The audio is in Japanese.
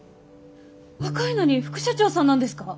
若いのに副社長さんなんですか！？